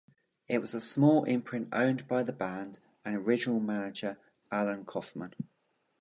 It was a small imprint owned by the band and original manager Allan Coffman.